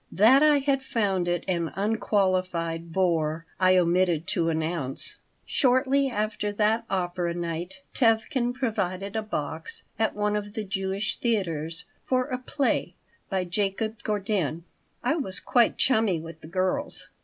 That I had found it an unqualified bore I omitted to announce. Shortly after that opera night Tevkin provided a box at one of the Jewish theaters for a play by Jacob Gordin I was quite chummy with the girls.